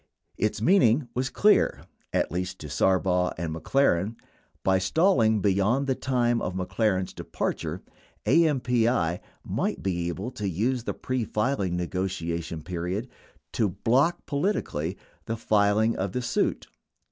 13 Its meaning was clear, at least to Sarbaugh and McLaren — by stalling beyond the time of McLaren's departure, AMPI might be able to use the pre filing ne gotiation period to "block politically" the filing of the suit.